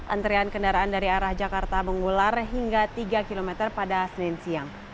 antrean kendaraan dari arah jakarta mengular hingga tiga km pada senin siang